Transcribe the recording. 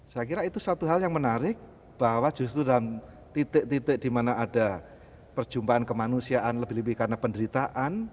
saya kira itu satu hal yang menarik bahwa justru dalam titik titik di mana ada perjumpaan kemanusiaan lebih lebih karena penderitaan